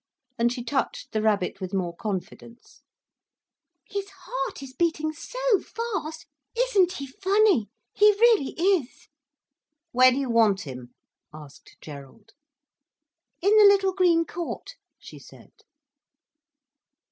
And she touched the rabbit with more confidence. "His heart is beating so fast. Isn't he funny? He really is." "Where do you want him?" asked Gerald. "In the little green court," she said.